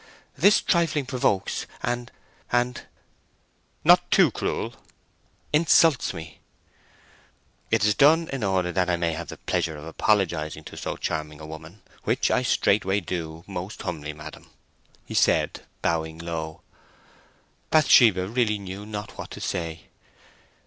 "This trifling provokes, and—and—" "Not too cruel!" "—Insults me!" "It is done in order that I may have the pleasure of apologizing to so charming a woman, which I straightway do most humbly, madam," he said, bowing low. Bathsheba really knew not what to say.